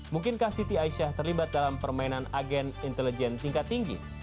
mungkinkah siti aisyah terlibat dalam permainan agen intelijen tingkat tinggi